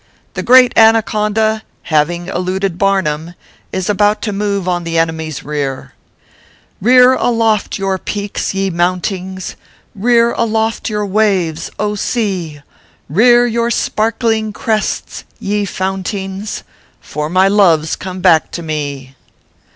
The great Anaconda, having eluded Barnum, is about to move on the enemy s rear : ORPHEUS C. KERR PAPERS. 243 1 Rear aloft your peaks, yo mountings, Rear aloft your waves, sea ! Rear your sparkling crests, ye fountings, For my love s come back to me.